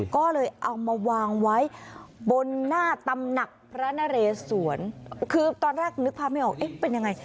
ก็เลยเอามาวางไว้บนหน้าตำหนักพระนเรสวนคือตอนแรกนึกภาพไม่ออกเอ๊ะเป็นยังไง